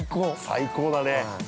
◆最高だね。